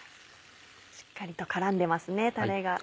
しっかりと絡んでますねタレが。